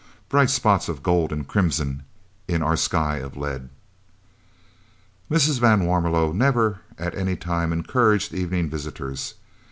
Bright spots of gold and crimson in our sky of lead! Mrs. van Warmelo never at any time encouraged evening visitors.